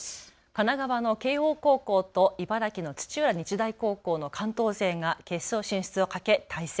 神奈川の慶応高校と茨城の土浦日大高校の関東勢が決勝進出をかけ対戦。